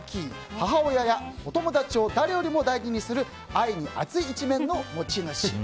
母親やお友達を誰よりも大事にする愛に熱い一面の持ち主。